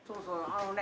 あのね